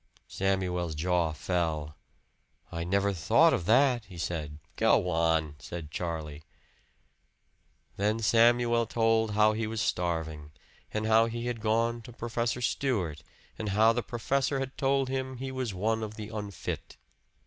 Samuel's jaw fell. "I never thought of that," he said. "Go on," said Charlie. Then Samuel told how he was starving, and how he had gone to Professor Stewart, and how the professor had told him he was one of the unfit.